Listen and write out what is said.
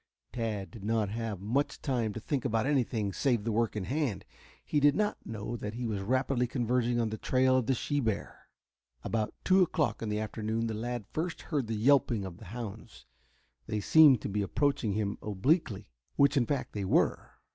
Tad did not have much time to think about anything save the work in hand. He did not know that he was rapidly converging on the trail of the she bear. About two o'clock in the afternoon the lad first heard the yelping of the hounds. They seemed to be approaching him obliquely, which in fact they were.